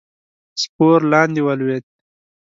سپور لاندې ولوېد.